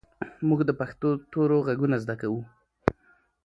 موږ د پښتو تورو غږونه زده کوو.